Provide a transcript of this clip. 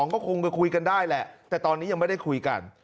ก็คงไปคุยกันได้แหละแต่ตอนนี้ยังไม่ได้คุยกัน